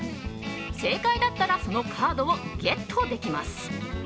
正解だったらそのカードをゲットできます。